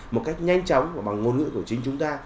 một cách nhanh chóng và bằng ngôn ngữ của chính chúng ta